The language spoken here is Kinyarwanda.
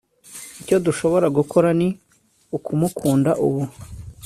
Icyo dushobora gukora ni ukumukunda ubu